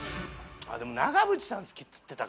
でも長渕さん好きっつってたか。